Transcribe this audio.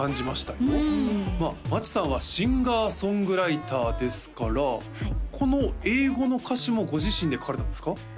まあ町さんはシンガー・ソングライターですからこの英語の歌詞もご自身で書かれたんですか？